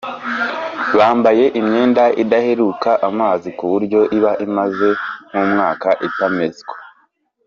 bambaye imyenda idaheruka amazi ku buryo iba imaze nk’umwaka itameswa